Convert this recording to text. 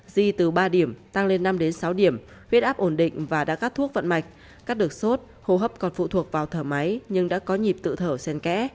di từ ba điểm tăng lên năm sáu điểm huyết áp ổn định và đã gắt thuốc vận mạch gắt được sốt hô hấp còn phụ thuộc vào thở máy nhưng đã có nhịp tự thở sen kẽ